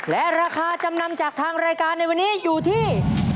และราคาจำนำจากทางรายการในวันนี้อยู่ที่